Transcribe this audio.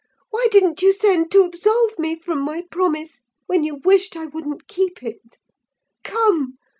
Why didn't you send to absolve me from my promise, when you wished I wouldn't keep it? Come!